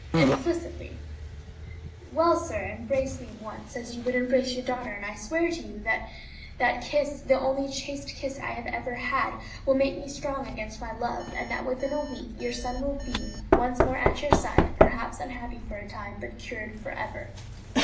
"Implicitly." "Well, sir, embrace me once, as you would embrace your daughter, and I swear to you that that kiss, the only chaste kiss I have ever had, will make me strong against my love, and that within a week your son will be once more at your side, perhaps unhappy for a time, but cured forever."